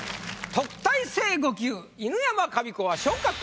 特待生５級犬山紙子は。